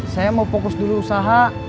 saya mau fokus dulu usaha